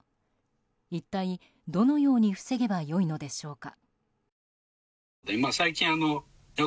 一体どのように防げば良いのでしょうか。